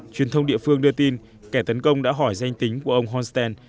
truyền thông địa phương đưa tin kẻ tấn công đã hỏi danh tính của ông honstein